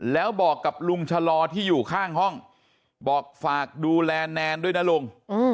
แล้วบอกกับลุงชะลอที่อยู่ข้างห้องบอกฝากดูแลแนนด้วยนะลุง